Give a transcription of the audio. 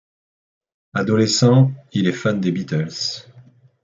Adolescent, il est fan des Beatles.